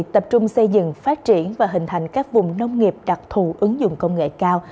tập trung xây dựng phát triển và hình thành các vùng nông nghiệp đặc thù ứng dụng công nghệ cao